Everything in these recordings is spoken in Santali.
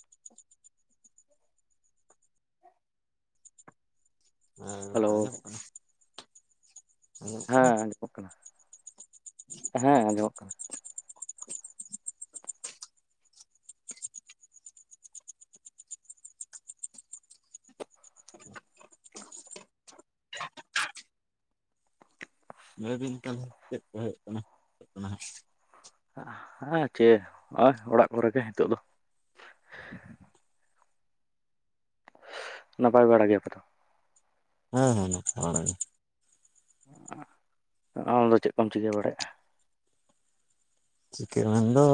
[unintelligible] [unintelligible] ᱦᱮᱸ ᱦᱮᱞᱳ ᱜᱚᱝᱠᱮ ᱟᱸᱡᱚᱢᱚᱜ ᱠᱟᱱᱟ? ᱟᱸᱡᱚᱢᱚᱜ ᱠᱟᱱᱟ? ᱦᱮᱸ ᱟᱸᱡᱚᱢᱚᱜ ᱠᱟᱱᱟ ᱦᱮᱸ ᱟᱸᱡᱚᱢᱚᱜ ᱠᱟᱱᱟ ᱾ ᱞᱟᱹᱭ ᱵᱤᱱ ᱛᱟᱦᱚᱞᱮ ᱪᱮᱫ ᱠᱚ ᱦᱩᱭᱩᱜ ᱠᱟᱱᱟ ᱠᱟᱱᱟ ᱦᱟᱸᱜ ᱦᱮᱸ ᱪᱮᱫ ᱦᱚᱜ-ᱚᱭ ᱚᱲᱟᱜ ᱠᱚᱨᱮ ᱜᱮ ᱦᱤᱛᱚᱜ ᱫᱚ ᱾ ᱱᱟᱯᱟᱭ ᱵᱟᱲᱟ ᱜᱮᱭᱟ ᱯᱮ ᱛᱚ? ᱦᱮᱸ ᱦᱮᱸ ᱱᱟᱯᱟᱭ ᱵᱟᱲᱟ ᱜᱮ ᱾ ᱟ ᱟᱢ ᱫᱚ ᱪᱮᱫ ᱠᱚᱢ ᱪᱤᱠᱟᱹ ᱵᱟᱲᱟᱭᱮᱜ-ᱟ? ᱪᱤᱠᱟᱹ ᱢᱮᱱᱫᱚ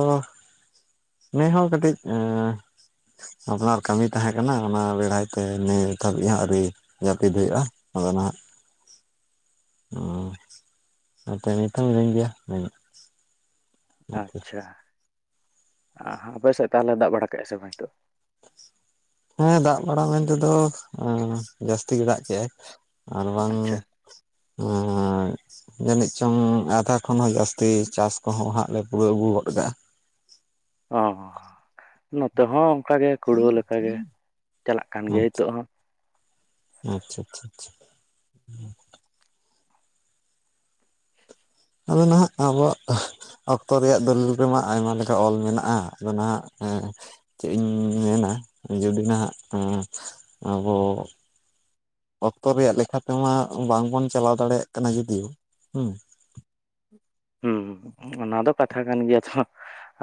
ᱱᱮ ᱦᱚᱲ ᱠᱟᱹᱴᱤᱡ ᱮᱸ ᱟᱯᱱᱟᱨ ᱠᱟᱹᱢᱤ ᱛᱟᱦᱮᱸ ᱠᱟᱱᱟ ᱚᱱᱟ ᱵᱮᱲᱟᱭ ᱛᱮ ᱱᱤᱛ ᱫᱷᱟᱹᱵᱤᱡ ᱦᱚᱸ ᱟᱹᱣᱨᱤ ᱡᱟᱹᱯᱤᱫ ᱦᱩᱭᱩᱜ-ᱟ ᱟᱫᱚ ᱱᱟᱦᱟᱜ ᱚ ᱟᱪᱪᱷᱟ ᱱᱚᱛᱮ ᱱᱤᱛ ᱦᱚᱸ ᱦᱤᱱᱟᱹᱧ ᱜᱮᱭᱟ ᱢᱮᱱ ᱟᱪᱪᱷᱟ ᱟᱯᱮ ᱥᱮᱫ ᱛᱟᱦᱚᱞᱮ ᱫᱟᱜ ᱵᱟᱲᱟ ᱠᱮᱜ-ᱟ ᱥᱮ ᱵᱟᱝ ᱦᱤᱛᱳᱜ ᱦᱮᱸ ᱫᱟᱜ ᱵᱟᱲᱟ ᱢᱮᱱᱛᱮ ᱫᱚ ᱡᱟᱹᱥᱛᱤ ᱜᱮ ᱫᱟᱜ ᱠᱮᱜ-ᱟᱭ ᱟᱨᱵᱟᱝ ᱟᱪᱪᱷᱟ ᱦᱮᱸ ᱦᱳᱭ ᱡᱟᱹᱱᱤᱡ ᱪᱚᱝ ᱟᱫᱷᱟ ᱠᱷᱚᱱ ᱦᱚᱸ ᱡᱟᱹᱥᱛᱤ ᱪᱟᱥ ᱠᱚᱦᱚᱸ ᱦᱟᱸᱜ ᱞᱮ ᱯᱩᱨᱟᱹᱣ ᱟᱹᱜᱩ ᱜᱚᱫ ᱠᱟᱜ-ᱟ ᱚ ᱦᱚᱸ ᱱᱚᱛᱮ ᱦᱚᱸ ᱚᱱᱠᱟ ᱜᱮ ᱠᱩᱲᱟᱹᱣ ᱞᱮᱠᱟ ᱜᱮ ᱪᱟᱞᱟᱜ ᱠᱟᱱ ᱜᱮᱭᱟ ᱦᱤᱛᱚᱜ ᱦᱚᱸ ᱟᱪᱪᱷᱟ ᱟᱪᱪᱷᱟ ᱟᱪᱪᱷᱟ [unintelligible] ᱟᱫᱚ ᱱᱟᱦᱟᱜ ᱟᱵᱚᱣᱟᱜ ᱚᱠᱛᱚ ᱨᱮᱭᱟᱜ ᱫᱚᱞᱤᱞ ᱨᱮᱢᱟ ᱟᱭᱢᱟ ᱞᱮᱠᱟ ᱚᱞ ᱢᱮᱱᱟᱜ-ᱟ ᱟᱫᱚ ᱱᱟᱦᱟᱜ ᱮᱸ ᱪᱮᱫ ᱤᱧ ᱢᱮᱱᱟ ᱡᱩᱫᱤ ᱱᱟᱦᱟᱜ ᱮᱸ ᱟᱵᱚ ᱚᱠᱛᱚ ᱨᱮᱭᱟ ᱞᱮᱠᱷᱟ ᱛᱮᱢᱟ ᱵᱟᱝᱵᱚᱱ ᱪᱟᱞᱟᱣ ᱫᱟᱲᱮᱭᱟᱜ ᱠᱟᱱᱟ ᱡᱩᱫᱤᱣ ᱦᱩᱸ᱾ ᱦᱩᱸ ᱚᱱᱟ ᱫᱚ ᱠᱟᱛᱷᱟ ᱠᱟᱱ ᱜᱮᱭᱟ ᱛᱷᱚ᱾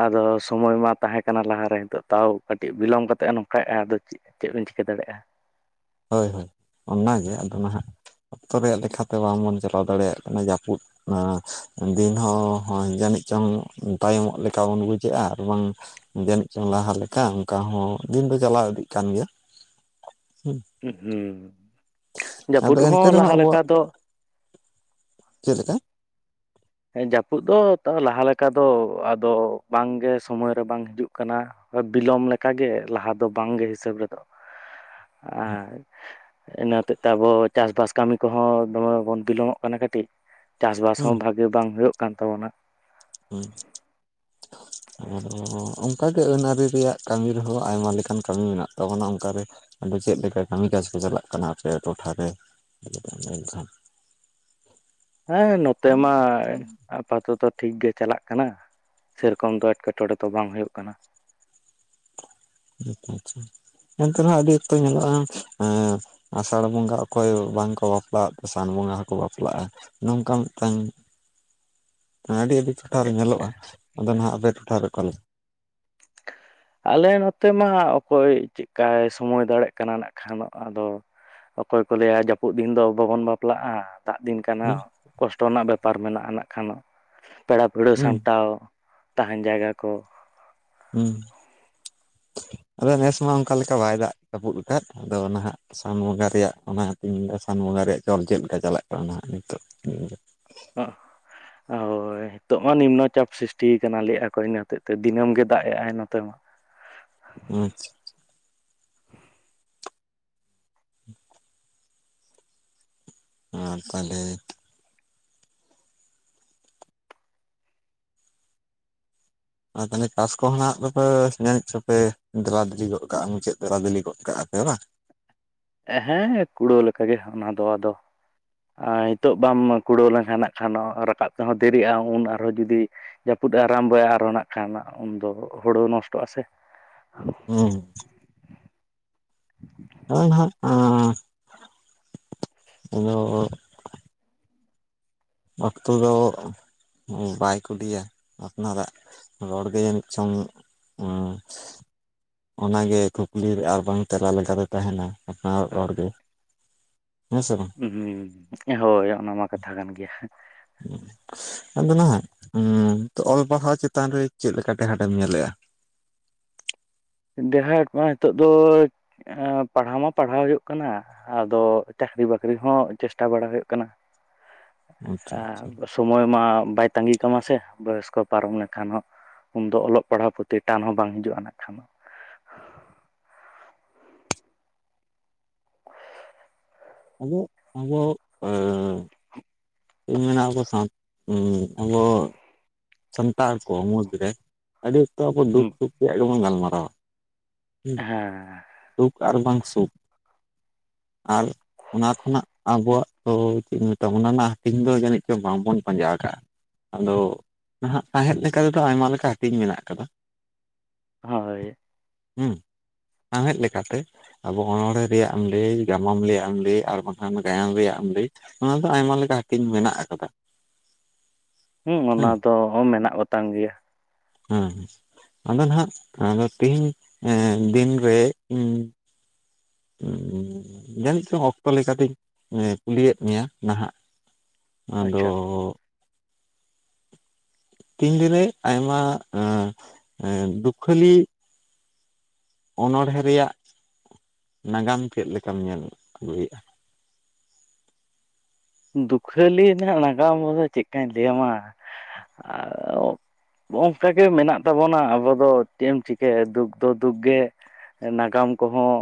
ᱟᱫᱚ ᱥᱚᱢᱚᱭ ᱢᱟ ᱛᱟᱦᱮᱸ ᱠᱟᱱᱟ ᱞᱟᱦᱟᱨᱮ ᱱᱤᱛᱳᱜ ᱛᱟᱣ ᱠᱟᱹᱴᱤᱡ ᱵᱤᱞᱚᱢ ᱠᱟᱛᱮᱜ ᱮ ᱱᱚᱝᱠᱟᱭᱮᱫ-ᱟ ᱟᱫᱚ ᱪᱮᱫ᱾ ᱪᱮᱫ ᱵᱤᱱ ᱪᱤᱠᱟᱹ ᱫᱟᱲᱮᱭᱟᱜ-ᱟ᱾ ᱦᱳᱭ ᱦᱳᱭ ᱚᱱᱟᱱᱟᱜᱮ ᱟᱫᱚ ᱱᱟᱦᱟᱜ ᱚᱠᱛᱚ ᱨᱮᱭᱟᱜ ᱞᱮᱠᱟᱛᱮ ᱵᱟᱝᱵᱚᱱ ᱪᱟᱞᱟᱣ ᱫᱟᱲᱮᱭᱟᱜ ᱠᱟᱱᱟ ᱡᱟᱹᱯᱩᱫ ᱱᱟ ᱫᱤᱱ ᱦᱚᱸ ᱡᱟᱹᱱᱤᱡ ᱪᱚᱝ ᱛᱟᱭᱚᱢᱚᱜ ᱞᱮᱠᱟ ᱵᱟᱱ ᱵᱩᱡᱽᱮᱜ-ᱟ ᱟᱨ ᱵᱟᱝ ᱡᱟᱹᱱᱤᱡ ᱪᱚᱝ ᱞᱟᱦᱟ ᱞᱮᱠᱟ ᱚᱱᱠᱟ ᱦᱚᱸ ᱫᱤᱱ ᱫᱚ ᱪᱟᱞᱟᱣ ᱤᱫᱤᱜ ᱠᱟᱱ ᱜᱮᱭᱟ᱾ ᱦᱮᱸ᱾ ᱦᱩᱸᱢ᱾ ᱡᱟᱹᱯᱩᱫ ᱮᱱᱛᱮ ᱦᱚᱸ ᱨᱮᱦᱚᱸ ᱞᱟᱦᱟ ᱞᱮᱠᱟ ᱟᱵᱚᱣᱟᱜ ᱫᱚ ᱪᱮᱫ ᱞᱮᱠᱟ? ᱦᱮᱸ ᱡᱟᱹᱯᱩᱫ ᱫᱚ ᱛᱟᱹᱣ ᱞᱟᱦᱟ ᱞᱮᱠᱟ ᱫᱚ ᱟᱫᱚ ᱵᱟᱝᱜᱮ ᱥᱚᱢᱚᱭ ᱨᱮ ᱵᱟᱝ ᱦᱤᱡᱩᱜ ᱠᱟᱱᱟ᱾ ᱟᱫᱚ ᱵᱤᱞᱚᱢ ᱞᱮᱠᱟᱜᱮ ᱞᱟᱦᱟ ᱫᱚ ᱵᱟᱝᱜᱮ ᱦᱤᱥᱟᱹᱵ ᱨᱮᱫᱚ-ᱟ᱾ [inaudible] ᱟᱨ ᱤᱱᱟᱹ ᱦᱚᱛᱮᱡ ᱛᱮ ᱟᱵᱚ ᱪᱟᱥᱵᱟᱥ ᱠᱟᱹᱢᱤ ᱠᱚᱦᱚᱸ ᱫᱚᱢᱮ ᱵᱚᱱ ᱵᱤᱞᱚᱢᱚᱜ ᱠᱟᱱᱟ ᱠᱟᱹᱴᱤᱡ᱾ ᱪᱟᱥᱵᱟᱥ ᱦᱩᱸ ᱦᱚᱸ ᱵᱷᱟᱜᱮ ᱜᱮ ᱵᱟᱝ ᱦᱳᱭᱳᱜ ᱠᱟᱱ ᱛᱟᱵᱚᱱᱟ᱾ [inaudible] ᱟᱨᱦᱚᱸ ᱚᱱᱠᱟᱜᱮ ᱟᱹᱱ ᱟᱹᱨᱤ ᱨᱮᱭᱟᱜ ᱠᱟᱹᱢᱤ ᱨᱮᱦᱚᱸ ᱟᱭᱢᱟ ᱞᱮᱠᱟᱱ ᱠᱟᱹᱢᱤ ᱢᱮᱱᱟᱜ ᱛᱟᱵᱚᱱᱟ ᱚᱱᱠᱟ ᱨᱮ᱾ ᱟᱫᱚ ᱪᱮᱫ ᱞᱮᱠᱟ ᱠᱟᱹᱢᱤ ᱠᱟᱡᱽ ᱠᱚ ᱪᱟᱞᱟᱜ ᱠᱟᱱᱟ ᱟᱯᱮᱭᱟᱜ ᱴᱚᱴᱷᱟ ᱨᱮ ᱠᱟᱹᱴᱤᱡ ᱮᱢ ᱞᱟᱹᱭ ᱞᱮᱠᱷᱟᱱ? ᱦᱮᱸ ᱱᱚᱛᱮ ᱢᱟ ᱟᱯᱟᱛᱚᱛᱚ ᱴᱷᱤᱠ ᱜᱮ ᱪᱟᱞᱟᱜ ᱠᱟᱱᱟ᱾ ᱥᱮᱨᱚᱠᱚᱢ ᱫᱚ ᱮᱴᱠᱮᱴᱚᱬᱮ ᱫᱚ ᱵᱟᱝ ᱦᱚᱭᱩᱜ ᱠᱟᱱᱟ᱾ ᱟᱪᱪᱷᱟ ᱟᱪᱪᱷᱟ᱾ ᱮᱱᱛᱮ ᱨᱮᱦᱚᱸ ᱟᱹᱰᱤ ᱚᱠᱛᱚ ᱧᱮᱞᱚᱜᱼᱟ ᱮᱸ ᱟᱥᱟᱲ ᱵᱚᱸᱜᱟ ᱚᱠᱚᱭ ᱵᱟᱝᱠᱚ ᱵᱟᱯᱞᱟᱜ ᱥᱟᱱ ᱵᱚᱸᱜᱟ ᱦᱚᱸᱠᱚ ᱵᱟᱯᱞᱟᱜᱼᱟ᱾ ᱱᱚᱝᱠᱟ ᱢᱤᱫᱴᱟᱝ ᱮᱸ ᱟᱹᱰᱤ ᱟᱹᱰᱤ ᱴᱚᱴᱷᱟᱨᱮ ᱧᱮᱞᱚᱜᱼᱟ ᱟᱫᱚ ᱱᱟᱦᱟᱜ ᱟᱯᱮ ᱴᱚᱴᱷᱟ ᱨᱮ ᱠᱚᱟ ᱞᱮ ᱟᱞᱮ ᱱᱚᱛᱮ ᱢᱟ ᱚᱠᱚᱭ ᱪᱮᱫᱞᱮᱠᱟᱭ ᱥᱚᱢᱚᱭ ᱫᱟᱲᱮᱭᱟᱜ ᱠᱟᱱᱟ ᱱᱟᱜ ᱠᱷᱟᱱ ᱟᱫᱚ ᱚᱠᱚᱭ ᱞᱟᱹᱭᱟ ᱡᱟᱯᱩᱫ ᱫᱤᱱ ᱫᱚ ᱵᱟᱵᱚᱱ ᱵᱟᱯᱞᱟᱜᱼᱟ᱾ ᱫᱟᱜ ᱫᱤᱱ ᱠᱟᱱᱟ ᱦᱩᱸ ᱠᱚᱥᱴᱚ ᱨᱮᱱᱟᱜ ᱵᱮᱯᱟᱨ ᱢᱮᱱᱟᱜᱼᱟ ᱱᱟᱜ ᱠᱷᱟᱱᱟᱜ᱾ ᱯᱮᱲᱟ ᱯᱟᱹᱲᱦᱟᱹ ᱦᱩᱸ ᱥᱟᱢᱴᱟᱣ ᱛᱟᱦᱮᱱ ᱡᱟᱭᱜᱟ ᱠᱚ ᱦᱩᱸ ᱟᱫᱚ ᱱᱮᱥ ᱢᱟ ᱚᱱᱠᱟ ᱞᱮᱠᱟ ᱵᱟᱭ ᱫᱟᱜ ᱡᱟᱹᱯᱩᱫ ᱟᱠᱟᱫ ᱟᱫᱚ ᱱᱟᱦᱟᱜ ᱥᱟᱱ ᱵᱚᱸᱜᱟ ᱨᱮᱭᱟᱜ ᱚᱱᱟᱛᱤᱧ ᱢᱮᱱᱫᱟ ᱥᱟᱱ ᱵᱚᱸᱜᱟ ᱨᱮᱭᱟᱜ ᱪᱚᱞ ᱪᱮᱫ ᱞᱮᱠᱟ ᱪᱟᱞᱟᱜ ᱠᱟᱱᱟᱦᱟᱜ ᱱᱤᱛᱚᱜ? ᱚ ᱦᱳᱭ᱾ ᱦᱳᱭ ᱱᱤᱛᱚᱜ ᱢᱟ ᱱᱤᱢᱱᱚ ᱪᱟᱯ ᱥᱨᱤᱥᱴᱤᱤᱭ ᱠᱟᱱᱟ ᱞᱮᱟᱹᱭᱼᱟ ᱠᱚ ᱤᱱᱟ ᱦᱚᱛᱮᱜ ᱛᱮ ᱫᱤᱱᱟᱹᱢ ᱜᱮ ᱫᱟᱜ-ᱮᱜ ᱟᱭ ᱱᱚᱛᱮ ᱢᱟ᱾ ᱟᱪᱪᱷᱟ᱾ ᱟᱨ ᱛᱟᱦᱚᱞᱮ ᱟᱨ ᱛᱟᱦᱚᱞᱮ ᱪᱟᱥ ᱠᱚᱦᱚᱸ ᱱᱟᱜ ᱫᱚᱯᱮ ᱧᱮᱞ ᱪᱚᱯᱮ ᱫᱮᱞᱟ ᱫᱮᱞᱮ ᱜᱚᱫ ᱠᱟᱜᱼᱟ ᱢᱩᱪᱟᱹᱫ ᱫᱷᱟᱨᱟ ᱵᱤᱞᱤ ᱜᱚᱫ ᱠᱟᱜᱼᱟ ᱯᱮ ᱵᱟᱝ? ᱦᱮᱸ ᱠᱩᱲᱟᱹᱣ ᱞᱮᱠᱟᱜᱮ ᱚᱱᱟ ᱫᱚ ᱟᱫᱚ ᱟ ᱦᱤᱛᱚᱜ ᱵᱟᱢ ᱠᱩᱲᱟᱹᱣ ᱞᱮᱱᱠᱷᱟᱱ ᱱᱟᱜ ᱠᱷᱟᱱᱚᱜ ᱨᱟᱠᱟᱵ ᱛᱮᱦᱚᱸ ᱫᱮᱨᱤᱜᱼᱟ ᱩᱱ ᱟᱨᱦᱚᱸ ᱡᱩᱫᱤ ᱡᱟᱹᱯᱩᱫ-ᱮ ᱟᱨᱟᱢᱵᱚᱭᱟ ᱟᱨᱚᱸ ᱱᱟᱜ ᱠᱷᱟᱱ ᱩᱱᱫᱚ ᱦᱳᱲᱳ ᱱᱚᱥᱴᱚᱜᱼᱟ ᱥᱮ᱾ ᱦᱩᱸ᱾ ᱦᱳ ᱱᱟᱟᱜ ᱟᱫᱚ ᱟᱸ ᱟᱫᱚ ᱚᱠᱛᱚ ᱫᱚ ᱵᱟᱭ ᱠᱩᱞᱤᱭᱟ ᱟᱯᱱᱟᱨᱟᱜ᱾ ᱨᱚᱲ ᱜᱮ ᱡᱟᱱᱤᱡ ᱪᱚᱝ ᱩᱸ ᱚᱱᱟᱜᱮ ᱠᱩᱠᱞᱤᱨᱮ ᱟᱨ ᱵᱟᱝᱟᱝ ᱛᱮᱞᱟ ᱞᱮᱠᱟᱛᱮ ᱛᱟᱦᱮᱱᱟ᱾ [inaudible] ᱦᱮᱸ ᱥᱮ ᱵᱟᱝ? ᱦᱩᱸ, ᱦᱳᱭ ᱚᱱᱟ ᱢᱟ ᱠᱟᱛᱷᱟ ᱠᱟᱱ ᱜᱮᱭᱟ ᱟᱫᱚ ᱱᱟᱜ ᱚᱞ ᱯᱟᱲᱦᱟᱣ ᱪᱮᱛᱟᱱ ᱨᱮ ᱪᱮᱫ ᱞᱮᱠᱟ ᱴᱮᱦᱮᱴᱮᱢ ᱧᱮᱞᱮᱜᱼᱟ? ᱡᱟᱦᱟᱸ ᱠᱚᱣᱟᱜ ᱱᱤᱳᱚᱜ ᱫᱚᱭ ᱯᱟᱲᱦᱟᱣ ᱢᱟ ᱯᱟᱲᱦᱟᱣ ᱦᱳᱭᱳᱜ ᱠᱟᱱᱟ ᱟᱫᱚ ᱪᱟᱹᱠᱨᱤ ᱵᱟᱹᱠᱨᱤ ᱦᱚᱸ ᱪᱮᱥᱴᱟ ᱵᱟᱲᱟ ᱦᱳᱭᱳᱜ ᱠᱟᱱᱟ ᱾ [unintelligible] ᱟᱪᱪᱷᱟ ᱟᱻᱥᱚᱢᱚᱭ ᱢᱟ ᱵᱟᱭ ᱛᱟᱸᱜᱤ ᱠᱟᱢᱟ ᱥᱮ ᱵᱚᱭᱚᱥ ᱠᱚ ᱯᱟᱨᱚᱢ ᱞᱮᱠᱷᱟᱱ ᱦᱚᱸ ᱩᱱ ᱫᱚ ᱚᱞᱚᱜ ᱯᱟᱲᱦᱟᱣ ᱯᱚᱛᱤ ᱴᱟᱱ ᱦᱚᱸ ᱵᱟᱝ ᱦᱤᱡᱩᱜᱼᱟ ᱱᱟᱜ ᱠᱷᱟᱱᱚᱜ [unintelligible] [inaudible] ᱪᱮᱫᱤᱧ ᱢᱮᱱᱟ ᱟᱵᱚ ᱥᱟᱶ ᱟᱵᱚ ᱥᱟᱱᱛᱟᱲ ᱠᱚ ᱢᱩᱫᱽ ᱨᱮ ᱟᱹᱰᱤ ᱚᱠᱛᱚ ᱟᱵᱚ ᱫᱩᱠ ᱦᱩᱸ ᱥᱩᱠᱷ ᱨᱮᱭᱟᱜ ᱜᱮ ᱵᱚᱱ ᱜᱟᱞᱢᱟᱨᱟᱣᱟ᱾ ᱦᱮᱸ ᱥᱩᱠ ᱟᱨ ᱵᱟᱝ ᱥᱩᱠ ᱟᱨ, ᱚᱱᱟ ᱠᱷᱚᱱᱟᱜ ᱟᱵᱚᱣᱟᱜ ᱫᱚ ᱪᱮᱫ ᱤᱧ ᱢᱮᱛᱟᱢ ᱚᱱᱟ ᱨᱮᱱᱟᱜ ᱦᱟᱹᱴᱤᱧ ᱫᱚ ᱡᱟᱹᱱᱤᱡ ᱪᱚ ᱵᱟᱝ ᱵᱚᱱ ᱯᱟᱸᱡᱟ ᱠᱟᱜᱼᱟ ᱾ ᱟᱫᱚ ᱱᱟᱦᱟᱜ ᱥᱟᱶᱮᱫ ᱞᱮᱠᱟ ᱛᱮ ᱫᱚ ᱟᱭᱢᱟ ᱞᱮᱠᱟ ᱦᱟᱹᱴᱤᱧ ᱢᱮᱱᱟᱜ ᱠᱟᱫᱟ ᱾ ᱦᱳᱭ, ᱥᱟᱶᱦᱮᱫ ᱞᱮᱠᱟᱛᱮ, ᱟᱵᱚ ᱚᱱᱚᱲᱦᱮ ᱨᱮᱭᱟᱜ ᱮᱢ ᱞᱟᱹᱭ ᱜᱟᱢᱟᱢ ᱨᱮᱭᱟᱜ ᱮᱢ ᱞᱟᱹᱭ ᱟᱨ ᱵᱟᱠᱷᱟᱱ ᱜᱟᱭᱟᱱ ᱨᱮᱭᱟᱜ ᱮᱢ ᱾ ᱚᱱᱟ ᱫᱚ ᱟᱭᱢᱟ ᱞᱮᱠᱟ ᱦᱟᱹᱴᱤᱧ ᱢᱮᱱᱟᱜ ᱟᱠᱟᱫᱟ ᱾ ᱦᱩᱸ, ᱚᱱᱟ ᱫᱚ ᱢᱮᱱᱟᱜ ᱠᱚᱛᱟᱝ ᱜᱮᱭᱟ ᱾ ᱦᱮᱸ, ᱟᱫᱚ ᱱᱟᱜ ᱟᱫᱚ ᱛᱤᱦᱤᱧ ᱫᱤᱱ ᱨᱮ ᱡᱟᱹᱱᱤᱡ ᱪᱚᱝ ᱚᱠᱛᱚ ᱞᱮᱠᱟᱛᱤᱧ ᱠᱩᱞᱤᱭᱮᱫ ᱢᱮᱭᱟ ᱱᱟᱦᱟᱜ ᱟᱪᱪᱷᱟ ᱟᱫᱚᱻ ᱛᱤᱱ ᱨᱮ ᱟᱭᱢᱟ ᱫᱩᱠᱷᱟᱹᱞᱤ, ᱚᱱᱚᱬᱦᱮᱸ ᱨᱮᱭᱟᱜ ᱱᱟᱜᱟᱢ ᱪᱮᱫ ᱞᱮᱠᱟᱢ ᱧᱮᱞ ᱟᱹᱜᱩᱭᱮᱫᱼᱟ? ᱫᱩᱠᱷᱟᱹᱞᱤ ᱨᱮᱱᱟᱜ ᱱᱟᱜᱟᱢ ᱨᱮ ᱫᱚ ᱪᱮᱫᱠᱟᱧ ᱞᱟᱹᱭ ᱟᱢᱟ, ᱚᱝᱠᱟ ᱜᱮ ᱢᱮᱱᱟᱜ ᱛᱟᱵᱚᱱᱟ ᱟᱵᱚ ᱫᱚ ᱪᱮᱫ ᱮᱢ ᱪᱤᱠᱟᱹᱭᱟ ᱫᱩᱠ ᱫᱚ ᱫᱩᱠ ᱜᱮ, ᱱᱟᱜᱟᱢ ᱠᱚ ᱦᱚᱸ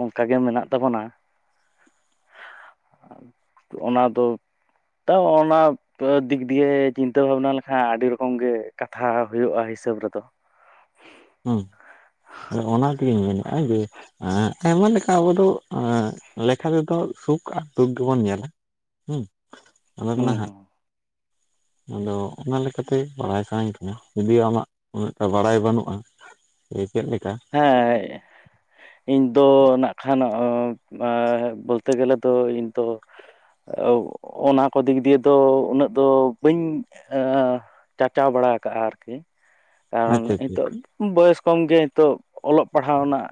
ᱚᱝᱠᱟ ᱜᱮ ᱢᱮᱱᱟᱜ ᱛᱟᱵᱚᱱᱟ ᱾ ᱚᱱᱟ ᱫᱚ ᱛᱟᱣ ᱚᱱᱟ, ᱫᱤᱠ ᱫᱤᱭᱮ ᱪᱤᱱᱛᱟᱹ ᱵᱷᱟᱵᱽᱱᱟ ᱞᱮᱠᱷᱟᱱ ᱟᱹᱰᱤ ᱨᱚᱠᱚᱢ ᱜᱮ ᱠᱟᱛᱷᱟ ᱦᱳᱭᱳᱜᱼᱟ ᱦᱤᱥᱟᱹᱵᱽ ᱨᱮ ᱫᱚ ᱦᱩᱸ ᱚᱱᱟ ᱛᱤᱜᱤᱧ ᱢᱮᱱᱮᱫᱼᱟ ᱡᱮ, ᱟᱭᱢᱟ ᱞᱮᱠᱟ ᱟᱵᱚ ᱫᱚ ᱞᱮᱠᱷᱟ ᱛᱮ ᱫᱚ ᱥᱩᱠ ᱟᱨ ᱫᱩᱠ ᱜᱮᱵᱚᱱ ᱧᱮᱞᱟ ᱾ ᱦᱩᱸ, ᱚᱱᱟ ᱫᱚ ᱱᱟᱦᱟᱜ ᱦᱮᱸ ᱟᱫᱚ ᱚᱱᱟ ᱞᱮᱠᱟ ᱛᱮ ᱵᱟᱲᱟᱭ ᱥᱟᱱᱟᱧ ᱠᱟᱱᱟ ᱡᱩᱫᱤᱣ ᱟᱢᱟᱜ, ᱩᱱᱟᱹᱜᱴᱟ ᱵᱟᱲᱟᱭ ᱵᱟᱹᱱᱩᱜᱼᱟ, ᱡᱮ ᱪᱮᱫ ᱞᱮᱠᱟ ᱦᱮᱸᱻ, ᱤᱧ ᱫᱚ ᱱᱟᱜ ᱠᱷᱟᱱ ᱮᱸ ᱵᱳᱞᱛᱮ ᱜᱮᱞᱮ ᱫᱚ ᱤᱧ ᱫᱚ ᱚᱱᱟ ᱠᱚ ᱫᱤᱠ ᱫᱤᱭᱮ ᱫᱚ ᱩᱱᱟᱹᱜ ᱫᱚ ᱵᱟᱹᱧ ᱪᱟᱨᱪᱟᱣ ᱵᱟᱲᱟ ᱠᱟᱜᱼᱟ ᱟᱨᱠᱤ ᱠᱟᱨᱚᱱ ᱟᱪᱪᱷᱟ ᱟᱪᱪᱷᱟ ᱱᱤᱛᱳᱜ ᱵᱚᱭᱚᱥ ᱠᱚᱢ ᱜᱮ ᱛᱚ ᱚᱞᱚᱜ ᱯᱟᱲᱦᱟᱣ ᱨᱮᱱᱟᱜ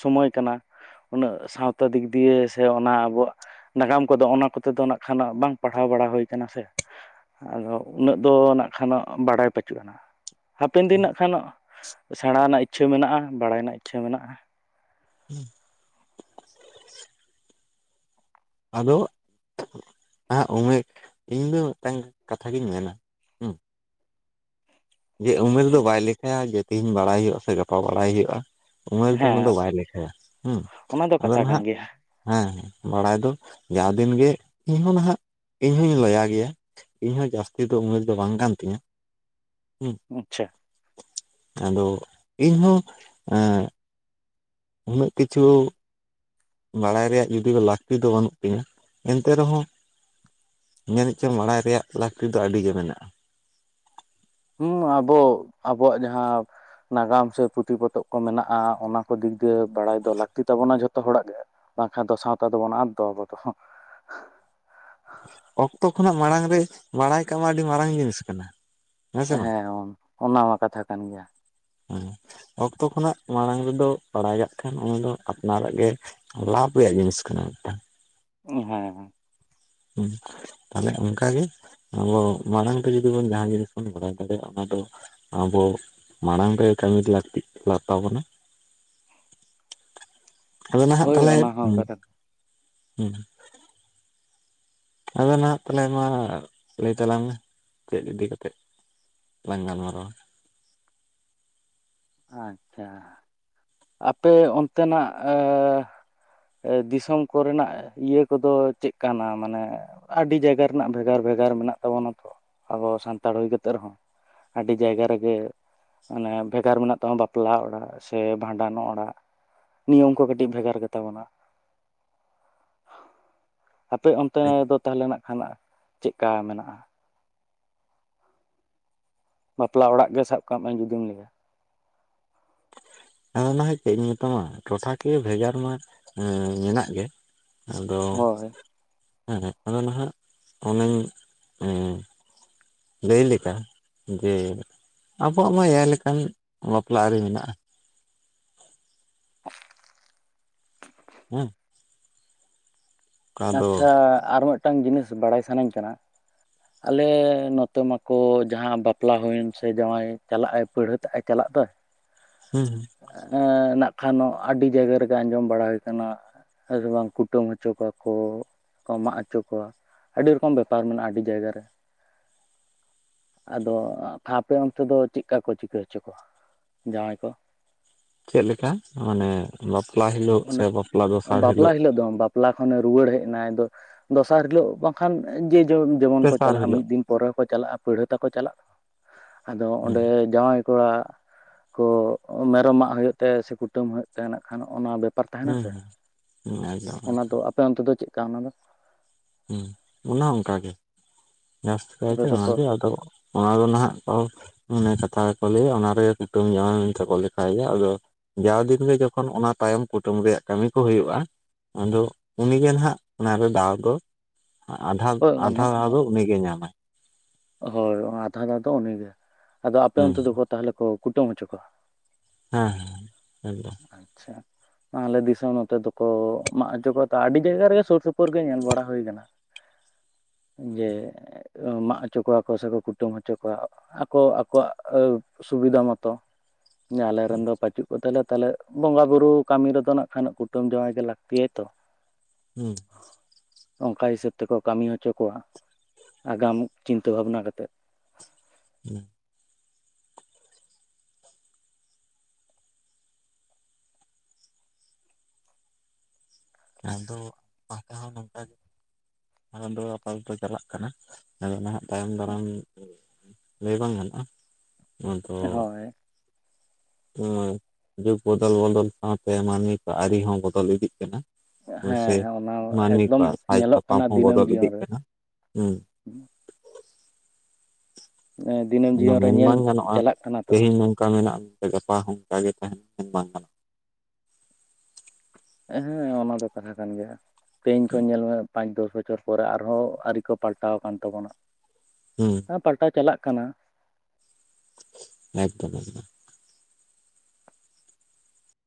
ᱥᱚᱢᱚᱭ ᱠᱟᱱᱟ ᱾ ᱩᱱᱟᱹᱜ ᱥᱟᱶᱛᱟ ᱫᱤᱠ ᱫᱤᱭᱮ ᱥᱮ ᱚᱱᱟ ᱟᱵᱚᱣᱟᱜ ᱾ ᱱᱟᱜᱟᱢ ᱠᱚ ᱫᱚ ᱚᱱᱟ ᱠᱚ ᱛᱮ ᱫᱚ ᱱᱟᱜ ᱠᱷᱟᱱ ᱵᱟᱝ ᱯᱟᱲᱦᱟᱣ ᱵᱟᱲᱟ ᱦᱳᱭ ᱠᱟᱱᱟ ᱥᱮ ᱾ ᱟᱫᱚ ᱩᱱᱟᱹᱜ ᱫᱚ ᱱᱟᱜ ᱠᱷᱟᱱᱚᱜ ᱵᱟᱲᱟᱭ ᱯᱟᱹᱪᱩᱜᱼᱟ ᱦᱟᱯᱮᱱ ᱫᱤᱱ ᱱᱟᱜ ᱠᱷᱟᱱᱚᱜ ᱥᱮᱬᱟ ᱨᱮᱱᱟᱜ ᱤᱪᱪᱷᱟᱹ ᱢᱮᱱᱟᱜᱼᱟ, ᱵᱟᱲᱟᱭ ᱨᱮᱱᱟᱜ ᱤᱪᱪᱷᱟᱹ ᱢᱮᱱᱟᱜᱼᱟ ᱾ ᱦᱩᱸ, ᱟᱫᱚ ᱟ ᱚᱭᱮᱠ ᱤᱧ ᱫᱚ ᱢᱤᱫᱴᱟᱝ ᱠᱟᱛᱷᱟᱜᱤᱧ ᱢᱮᱱᱟ ᱦᱮᱸ ᱡᱮ ᱩᱢᱮᱨ ᱫᱚ ᱵᱟᱭ ᱞᱮᱠᱷᱟᱭᱟ ᱡᱮ ᱛᱮᱦᱤᱧ ᱵᱟᱲᱟᱭ ᱦᱩᱭᱩᱜ-ᱟ ᱥᱮ ᱜᱟᱯᱟ ᱵᱟᱲᱟᱭ ᱦᱩᱭᱩᱜ-ᱟ ᱩᱢᱮᱨ ᱫᱚ ᱚᱱᱟ ᱫᱚ ᱦᱮᱸ ᱵᱟᱭ ᱞᱮᱠᱷᱟᱭᱟ ᱦᱮᱸ ᱚᱱᱟ ᱫᱚ ᱟᱫᱚ ᱠᱟᱛᱷᱟ ᱠᱟᱱ ᱱᱟᱦᱟᱜ ᱜᱮᱭᱟ ᱦᱮᱸ ᱵᱟᱲᱟᱭ ᱫᱚ ᱡᱟᱣ ᱫᱤᱱ ᱜᱮ ᱤᱧᱦᱚᱸ ᱱᱟᱦᱟᱜ ᱤᱧᱦᱚᱸᱧ ᱞᱟᱹᱭᱟ ᱜᱮᱭᱟ ᱤᱧ ᱦᱚᱸ ᱡᱟᱹᱥᱛᱤ ᱫᱚ ᱩᱢᱮᱨ ᱫᱚ ᱵᱟᱝ ᱠᱟᱱ ᱛᱤᱧᱟ ᱦᱩᱸ ᱟᱪᱪᱷᱟ ᱟᱫᱚ ᱤᱧᱦᱚᱸ ᱮᱜ ᱩᱱᱟᱹᱜ ᱠᱤᱪᱷᱩ ᱵᱟᱲᱟᱭ ᱨᱮᱭᱟᱜ ᱡᱩᱫᱤ ᱞᱟᱹᱠᱛᱤ ᱫᱚ ᱵᱟᱹᱱᱩᱜ ᱛᱤᱧᱟ ᱮᱱᱛᱮ ᱨᱮᱦᱚᱸ ᱡᱟᱱᱤᱡ ᱪᱚᱝ ᱵᱟᱲᱟᱭ ᱨᱮᱭᱟᱜ ᱞᱟᱹᱠᱛᱤ ᱫᱚ ᱟᱹᱰᱤ ᱜᱮ ᱢᱮᱱᱟᱜ-ᱟ ᱦᱩᱸ ᱟᱵᱚ ᱟᱵᱚᱣᱟᱜ ᱡᱟᱦᱟᱸ ᱱᱟᱜᱟᱢ ᱥᱮ ᱯᱩᱛᱷᱤ ᱯᱚᱛᱚᱵ ᱠᱚ ᱢᱮᱱᱟᱜ-ᱟ ᱚᱱᱟ ᱠᱚ ᱫᱤᱠ ᱫᱤᱭᱮ ᱵᱟᱲᱟᱭ ᱫᱚ ᱞᱟᱹᱠᱛᱤ ᱛᱟᱵᱚᱱᱟ ᱡᱷᱚᱛᱚ ᱦᱚᱲᱟᱜ ᱜᱮ ᱵᱟᱝᱠᱷᱟᱱ ᱫᱚ ᱥᱟᱶᱛᱟ ᱫᱚᱵᱚᱱ ᱟᱫ ᱫᱚ ᱟᱵᱚ ᱫᱚ ᱚᱠᱛᱚ ᱠᱷᱚᱱᱟᱜ ᱢᱟᱲᱟᱝ ᱨᱮ ᱵᱟᱲᱟᱭ ᱠᱟᱜ ᱢᱟ ᱟᱹᱰᱤ ᱢᱟᱨᱟᱝ ᱡᱤᱱᱤᱥ ᱠᱟᱱᱟ ᱥᱮ ᱵᱟᱝ ᱦᱮᱸ ᱚᱱᱟ ᱚᱱᱟ ᱢᱟ ᱠᱟᱛᱷᱟ ᱠᱟᱱ ᱜᱮᱭᱟ ᱦᱮᱸ ᱚᱠᱛᱚ ᱠᱷᱚᱱᱟᱜ ᱢᱟᱲᱟᱝ ᱨᱮᱫᱚ ᱵᱟᱲᱟᱭ ᱠᱟᱜ ᱠᱷᱟᱱ ᱚᱱᱟ ᱫᱚ ᱟᱯᱱᱟᱨᱟᱜ ᱜᱮ ᱞᱟᱵᱷ ᱨᱮᱭᱟᱜ ᱡᱤᱱᱤᱥ ᱠᱟᱱᱟ ᱢᱤᱫᱴᱟᱝ ᱦᱮᱸ ᱦᱮᱸ ᱦᱩᱸ ᱛᱟᱦᱞᱮ ᱚᱱᱠᱟ ᱜᱮ ᱟᱵᱚ ᱢᱟᱲᱟᱝ ᱨᱮ ᱡᱩᱫᱤ ᱡᱟᱦᱟᱱ ᱡᱤᱱᱤᱥ ᱵᱚᱱ ᱵᱟᱲᱟᱭ ᱫᱟᱲᱮᱭᱟᱜ-ᱟ ᱚᱱᱟ ᱫᱚ ᱟᱵᱚ ᱢᱟᱲᱟᱝ ᱨᱮ ᱠᱟᱹᱢᱤ ᱞᱟᱹᱠᱛᱤᱜ ᱞᱟᱛᱟᱵᱚᱱᱟ ᱟᱫᱚ ᱱᱟᱦᱟᱜ ᱦᱳᱭ ᱛᱟᱞᱦᱮ ᱚᱱᱟ ᱦᱚᱸ ᱦᱩᱸ ᱠᱟᱛᱷᱟ ᱦᱩᱸ ᱟᱫᱚ ᱱᱟᱦᱟᱜ ᱛᱟᱦᱚᱞᱮ ᱱᱚᱣᱟ ᱞᱟᱹᱭ ᱛᱟᱞᱟᱝ ᱢᱮ ᱪᱮᱫ ᱤᱫᱤ ᱠᱟᱛᱮᱫ ᱞᱟᱝ ᱜᱟᱞ ᱢᱟᱨᱟᱣᱟ ᱟᱪᱪᱷᱟ ᱟᱯᱮ ᱚᱱᱛᱮᱱᱟᱜ ᱮ ᱫᱤᱥᱚᱢ ᱠᱚᱨᱮᱱᱟᱜ ᱤᱭᱟᱹ ᱠᱚᱫᱚ ᱪᱮᱫ ᱠᱟ ᱱᱟ ᱢᱟᱱᱮ ᱟᱹᱰᱤ ᱡᱟᱭᱜᱟ ᱨᱮᱱᱟᱜ ᱵᱷᱮᱜᱟᱨ ᱵᱷᱮᱜᱟᱨ ᱢᱮᱱᱟᱜ ᱛᱟᱵᱚᱱᱟ ᱛᱚ ᱟᱵᱚ ᱥᱟᱱᱛᱟᱲ ᱦᱩᱭ ᱠᱟᱛᱮᱜ ᱨᱮᱦᱚᱸ ᱟᱹᱰᱤ ᱡᱟᱭᱜᱟ ᱨᱮᱜᱮ ᱢᱟᱱᱮ ᱵᱷᱮᱜᱟᱨ ᱢᱮᱱᱟᱜ ᱵᱟᱝ ᱵᱟᱯᱞᱟ ᱚᱲᱟᱜ ᱥᱮ ᱵᱷᱟᱸᱰᱟᱱ ᱚᱲᱟᱜ ᱱᱤᱭᱚᱢ ᱠᱚ ᱠᱟᱹᱴᱤᱡ ᱵᱷᱮᱜᱟᱨ ᱜᱮᱛᱟ ᱵᱚᱱᱟ [unintelligible] ᱟᱯᱮ ᱚᱱᱛᱮ ᱫᱚ ᱛᱟᱦᱮᱸᱞᱮᱱᱟᱜ ᱠᱷᱟᱱ ᱪᱮᱫᱞᱮᱠᱟ ᱢᱮᱱᱟᱜ-ᱟ? ᱵᱟᱯᱞᱟ ᱚᱲᱟᱜ ᱜᱮ ᱥᱟᱵ ᱠᱟᱜ ᱢᱮ ᱡᱩᱫᱤᱢ ᱞᱟᱹᱭᱟ ᱟᱫᱚ ᱱᱟᱦᱚᱭ ᱪᱮᱫ ᱤᱧ ᱢᱮᱛᱟᱢᱟ ᱴᱚᱴᱷᱟ ᱠᱤᱭᱟ ᱵᱷᱮᱜᱟᱨ ᱢᱟ ᱢᱮᱱᱟᱜ ᱜᱮ ᱟᱫᱚ ᱦᱳᱭ ᱦᱮᱸ ᱟᱫᱚ ᱱᱟᱦᱟᱜ ᱚᱱᱟᱧ ᱮ ᱞᱟᱹᱭ ᱞᱮᱠᱟ ᱡᱮ ᱟᱵᱚᱣᱟᱜ ᱢᱟ ᱮᱭᱟᱭ ᱞᱮᱠᱟᱱ ᱵᱟᱯᱞᱟ ᱟᱹᱨᱤ ᱢᱮᱱᱟᱜ-ᱟ᱾ [unintelligible] ᱦᱩᱸ ᱫᱚ ᱟᱪᱪᱷᱟ ᱟᱨ ᱢᱤᱫᱴᱟᱝ ᱡᱤᱱᱤᱥ ᱵᱟᱲᱟᱭ ᱥᱟᱱᱟᱧ ᱠᱟᱱᱟ ᱟᱞᱮ ᱱᱚᱛᱮ ᱢᱟᱠᱚ ᱡᱟᱦᱟᱸ ᱵᱟᱯᱞᱟ ᱦᱩᱭᱮᱱ ᱥᱮ ᱡᱟᱶᱟᱭ ᱪᱟᱞᱟᱜ ᱟᱭ ᱯᱟᱹᱲᱦᱟᱹᱛᱟᱜ ᱮ ᱪᱟᱞᱟᱜ ᱫᱚᱭ ᱦᱩᱸ ᱮ ᱱᱟᱜ ᱠᱷᱟᱱ ᱱᱚ ᱟᱹᱰᱤ ᱡᱟᱭᱜᱟ ᱨᱮᱜᱮ ᱟᱸᱡᱚᱢ ᱵᱟᱲᱟ ᱦᱩᱭ ᱠᱟᱱᱟ ᱦᱮ ᱥᱮ ᱵᱟᱝ ᱠᱩᱴᱟᱹᱢ ᱦᱚᱪᱚ ᱠᱚᱣᱟ ᱠᱚ ᱢᱟᱜ ᱦᱚᱪᱚ ᱠᱚᱣᱟ ᱟᱹᱰᱤ ᱨᱚᱠᱚᱢ ᱵᱮᱯᱟᱨ ᱢᱮᱱᱟᱜ-ᱟ ᱟᱹᱰᱤ ᱡᱟᱭᱜᱟ ᱨᱮ ᱟᱫᱚ ᱟᱯᱮ ᱚᱱᱛᱮ ᱫᱚ ᱪᱮᱫ ᱞᱮᱠᱟ ᱠᱚ ᱪᱤᱠᱟᱹ ᱦᱚᱪᱚ ᱠᱚᱣᱟ ᱡᱟᱶᱟᱭ ᱠᱚ? ᱪᱮᱫ ᱞᱮᱠᱟ ᱢᱟᱱᱮ ᱵᱟᱯᱞᱟ ᱦᱤᱞᱳᱜ ᱚᱱᱟ ᱥᱮ ᱵᱟᱯᱞᱟ ᱫᱚᱥᱟᱨ ᱦᱤᱞᱳᱜ? ᱵᱟᱯᱞᱟ ᱫᱚ [unintelligible] ᱵᱟᱯᱞᱟ ᱠᱷᱚᱱᱮ ᱨᱩᱣᱟᱹᱲ ᱦᱮᱡ ᱮᱱᱟ ᱫᱚ ᱫᱚᱥᱟᱨ ᱦᱤᱞᱳᱜ ᱵᱟᱝᱠᱷᱟᱱ ᱡᱮ ᱡᱮᱢᱚᱱ ᱠᱚ ᱛᱮᱥᱟᱨ ᱪᱟᱞᱟᱜᱼᱟ ᱦᱤᱞᱳᱜ ᱢᱤᱫ ᱫᱤᱱ ᱯᱚᱨᱮ ᱦᱚᱠᱚ ᱪᱟᱞᱟᱜᱼᱟ ᱯᱟᱲᱦᱟᱹ ᱛᱟᱠᱚ ᱪᱟᱞᱟᱜᱼᱟ ᱟᱫᱚ ᱦᱩᱸ ᱚᱸᱰᱮᱼᱼᱼ ᱡᱟᱶᱟᱭ ᱠᱚᱲᱟ ᱠᱚ ᱢᱮᱨᱚᱢ ᱢᱟᱜᱽ ᱦᱳᱭᱳᱜ ᱛᱟᱭᱟ ᱥᱮ ᱠᱩᱴᱟᱹᱢ ᱦᱳᱭᱳᱜ ᱛᱟᱭᱟ ᱱᱟᱜ ᱠᱷᱟᱱ ᱦᱚᱜ-ᱱᱟ ᱵᱮ ᱵᱮᱯᱟᱨ ᱛᱟᱦᱮᱱᱟ ᱦᱩᱸ ᱥᱮ ᱦᱩᱸ ᱮᱠᱫᱚᱢ ᱚᱱᱟ ᱮᱠᱫᱚᱢ ᱫᱚ ᱟᱯᱮ ᱚᱱᱛᱮ ᱫᱚ ᱪᱮᱫᱮ ᱚᱱᱟ ᱫᱚ? ᱦᱩᱸ ᱚᱱᱟ ᱚᱱᱠᱟ ᱦᱚᱸ ᱚᱱᱠᱟ ᱜᱮ᱾ ᱡᱟᱹᱥᱛᱤ ᱠᱟᱭᱛᱮ ᱟᱯᱮ ᱫᱚᱠᱚ ᱚᱱᱟᱜᱮ ᱟᱫᱚ ᱚᱱᱟᱫᱚ ᱱᱟᱦᱟᱜᱼᱼᱼᱼ ᱤᱱᱟᱹ ᱠᱟᱛᱷᱟ ᱜᱮᱠᱚ ᱞᱟᱹᱭᱟ ᱚᱱᱟ ᱨᱮᱜᱮ ᱠᱩᱴᱟᱹᱢ ᱡᱟᱶᱟᱭ ᱢᱮᱱᱛᱮᱠᱚ ᱞᱮᱠᱟᱭ ᱜᱮᱭᱟ ᱟᱫᱚᱼᱼᱼᱼᱼ ᱡᱟᱣ ᱫᱤᱱ ᱜᱮ ᱡᱚᱠᱷᱚᱱ ᱚᱱᱟ ᱛᱟᱭᱚᱢ ᱠᱩᱴᱟᱹᱢ ᱨᱮᱭᱟᱜ ᱠᱟᱹᱢᱤ ᱠᱚ ᱦᱳᱭᱳᱜᱼᱟ᱾ ᱟᱫᱚ ᱩᱱᱤᱜᱮ ᱱᱟᱦᱟᱜ ᱚᱱᱟᱨᱮ ᱫᱟᱣ ᱫᱚᱼᱼ ᱟᱫᱷᱟ ᱦᱳᱭ ᱟᱫᱷᱟ ᱚᱱᱟ ᱫᱟᱶ ᱫᱚ ᱩᱱᱤᱜᱮ ᱧᱟᱢᱟᱭ᱾ ᱦᱳᱭ ᱚᱱᱟ ᱟᱫᱷᱟ ᱟᱫᱷᱟ ᱫᱚ ᱩᱱᱤᱜᱮ ᱟᱫᱚ ᱟᱯᱮ ᱦᱩᱸ ᱚᱱᱛᱮ ᱫᱚᱠᱚ ᱛᱟᱦᱚᱞᱮ ᱠᱚ ᱠᱩᱴᱟᱹᱢ ᱦᱚᱪᱚ ᱠᱚᱣᱟ? ᱦᱮᱸ ᱦᱮᱸ ᱮᱠᱫᱚᱢ᱾ ᱟᱪᱪᱷᱟ᱾ ᱟᱞᱮ ᱫᱤᱥᱚᱢ ᱱᱚᱛᱮ ᱫᱚᱠᱚ ᱢᱟᱜᱽ ᱦᱚᱪᱚ ᱠᱚᱣᱟ ᱛᱚ ᱟᱹᱰᱤ ᱡᱟᱭᱜᱟ ᱨᱮᱜᱮ ᱥᱳᱨ ᱥᱳᱯᱳᱨ ᱜᱮ ᱧᱮᱞ ᱵᱟᱲᱟ ᱦᱳᱭ ᱠᱟᱱᱟ᱾ [unintelligible] ᱡᱮ ᱢᱟᱜᱽ ᱦᱚᱪᱚ ᱠᱚᱣᱟ ᱠᱚ ᱥᱮᱠᱚ ᱠᱩᱴᱟᱹᱢ ᱦᱚᱪᱚ ᱠᱚᱣᱟ ᱟᱠᱚ ᱟᱠᱚᱣᱟᱜ ᱥᱩᱵᱤᱫᱷᱟ ᱢᱚᱛᱚ ᱡᱮ ᱟᱞᱮ ᱨᱮᱱ ᱫᱚ ᱯᱟᱪᱩᱜ ᱠᱚᱛᱚᱞᱮ ᱛᱟᱦᱚᱞᱮ ᱵᱚᱸᱜᱟ ᱵᱩᱨᱩ ᱠᱟᱹᱢᱤ ᱨᱮᱫᱚ ᱱᱟᱜ ᱠᱷᱟᱱ ᱠᱩᱴᱟᱹᱢ ᱡᱟᱶᱟᱭ ᱜᱮ ᱞᱟᱹᱠᱛᱤᱭᱟ ᱛᱚ ᱦᱩᱸ ᱚᱱᱠᱟ ᱦᱤᱥᱟᱹᱵ ᱛᱮᱠᱚ ᱠᱟᱹᱢᱤ ᱦᱚᱪᱚ ᱠᱚᱣᱟ ᱟᱜᱟᱢ ᱪᱤᱱᱛᱟᱹ ᱵᱷᱟᱵᱱᱟ ᱠᱟᱛᱮᱫ ᱦᱮᱸ ᱟᱫᱚ ᱟᱯᱮ ᱦᱚᱸ ᱱᱚᱝᱠᱟ ᱜᱮ ᱟᱫᱚ ᱟᱯᱟᱫᱚᱛᱚ ᱪᱟᱞᱟᱜ ᱠᱟᱱᱟ ᱟᱫᱚ ᱱᱟᱦᱟᱜ ᱛᱟᱭᱚᱢ ᱫᱟᱨᱟᱢ ᱞᱟᱹᱭ ᱵᱟᱝ ᱜᱟᱱᱚᱜᱼᱟ ᱚᱱᱟᱫᱚ ᱦᱳᱭ ᱮᱢᱟᱭ ᱡᱩᱜᱽ ᱵᱚᱫᱚᱞ ᱵᱚᱫᱚᱞ ᱥᱟᱶᱛᱮ ᱢᱟᱹᱱᱢᱤ ᱠᱚ ᱟᱹᱨᱤ ᱦᱚᱸ ᱵᱚᱫᱚᱞ ᱤᱫᱤᱜ ᱠᱟᱱᱟ᱾ ᱦᱳᱭᱸ ᱦᱮᱸ ᱥᱮ ᱚᱱᱟ ᱢᱟᱹᱱᱢᱤ ᱮᱠᱫᱚᱢ ᱠᱚᱣᱟᱜ ᱥᱟᱡ ᱧᱮᱞᱚᱜ ᱥᱟᱯᱟᱯ ᱠᱟᱱᱟ ᱦᱚᱸ ᱫᱤᱱᱟᱹᱢ ᱵᱚᱫᱚᱞ ᱡᱤᱭᱚᱱ ᱤᱫᱤᱜ ᱨᱮ ᱠᱟᱱᱟ ᱦᱩᱸ ᱫᱤᱱᱟᱹᱢ ᱟᱫᱚ ᱡᱤᱭᱚᱱ ᱨᱮ ᱢᱮᱱ ᱧᱮᱞ ᱵᱟᱝ ᱜᱟᱱᱚᱜᱼᱟ ᱪᱟᱞᱟᱜ ᱠᱟᱱᱟ ᱛᱚ ᱛᱮᱦᱮᱧ ᱱᱚᱝᱠᱟ ᱢᱮᱱᱟᱜᱼᱟ ᱢᱮᱛᱮ ᱜᱟᱯᱟ ᱦᱚᱸ ᱚᱱᱠᱟ ᱜᱮ ᱛᱟᱦᱮᱱᱟ ᱢᱮᱱ ᱵᱟᱝ ᱜᱟᱱᱚᱜᱼᱟ᱾ ᱦᱮᱸ ᱚᱱᱟ ᱫᱚ ᱠᱟᱛᱷᱟ ᱠᱟᱱ ᱜᱮᱭᱟ ᱛᱮᱦᱮᱧ ᱠᱚ ᱧᱮᱞ ᱢᱮᱼᱼ ᱯᱟᱸᱪ ᱫᱚᱥ ᱵᱚᱪᱷᱚᱨ ᱯᱚᱨᱮ ᱟᱨᱦᱚᱸ ᱟᱹᱨᱤ ᱠᱚ ᱯᱟᱞᱴᱟᱣ ᱟᱠᱟᱱ ᱛᱟᱵᱚᱱᱟ ᱦᱩᱸ ᱚᱱᱟ ᱯᱟᱞᱴᱟᱶ ᱪᱟᱞᱟᱜ ᱠᱟᱱᱟ᱾ ᱮᱠᱫᱚᱢ ᱮᱠᱫᱚᱢ